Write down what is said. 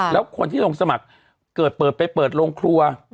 แล้วคนที่ลงสมัครเกิดเปิดไปเปิดโรงครัว